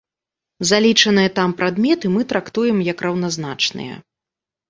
Залічаныя там прадметы мы трактуем як раўназначныя.